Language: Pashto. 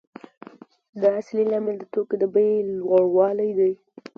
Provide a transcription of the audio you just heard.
دا اصلي لامل د توکو د بیې لوړوالی دی